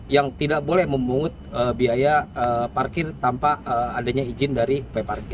yang tidak boleh memungut biaya parkir tanpa adanya izin dari peparkir